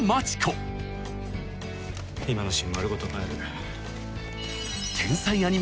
今のシーン丸ごと変える。